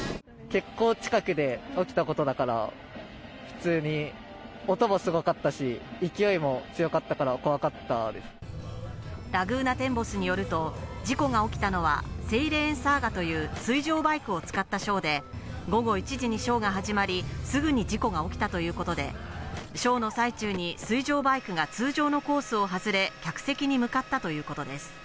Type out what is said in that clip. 結構、近くで起きたことだから、普通に音もすごかったし、ラグーナテンボスによると、事故が起きたのは、セイレーン・サーガという、水上バイクを使ったショーで、午後１時にショーが始まり、すぐに事故が起きたということで、ショーの最中に水上バイクが通常のコースを外れ、客席に向かったということです。